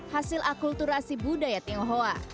hasil akulturasi budaya tenghoa